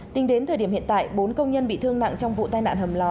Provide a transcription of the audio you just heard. tính đến thời điểm hiện tại bốn công nhân bị thương nặng trong vụ tai nạn hầm lò